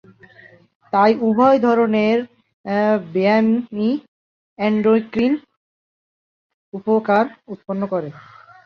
তাই, উভয় ধরনের ব্যায়ামই এন্ডোক্রিন উপকার উৎপন্ন করে।